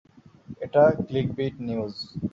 এটা clickbait news!